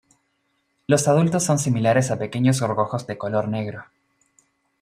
Los adultos son similares a pequeños gorgojos de color negro.